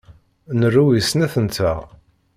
Nru i snat-nteɣ.